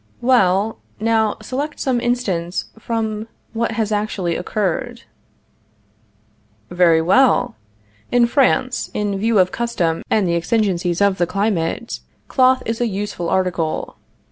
Well, now, select some instance from what has actually occurred. Very well; in France, in view of custom and the exigencies of the climate, cloth is an useful article.